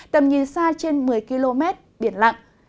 tầm nhìn xa trên một mươi km biển lặng